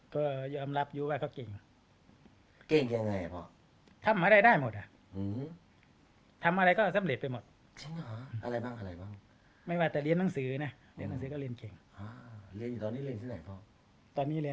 ขออะไรต้องได้นะอะไรประมาณนี้